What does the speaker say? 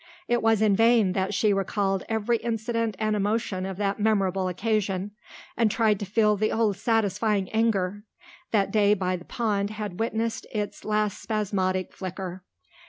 It was in vain that she recalled every incident and emotion of that memorable occasion and tried to feel the old satisfying anger. That day by the pond had witnessed its last spasmodic flicker.